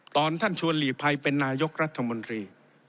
ตอนท่านชวนหลีกภัยเป็นนายกรัฐมนตรี